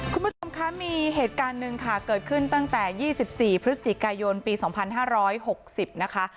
คุณผู้ชมคะมีเหตุการณ์หนึ่งค่ะเกิดขึ้นตั้งแต่๒๔พฤศจิกายนปี๒๕๖๐นะคะ